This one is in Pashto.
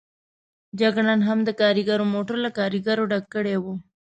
جګړن هم د کاریګرو موټر له کاریګرو ډک کړی و.